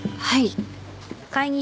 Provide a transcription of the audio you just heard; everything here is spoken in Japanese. はい。